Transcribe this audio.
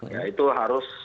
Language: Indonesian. ya itu harus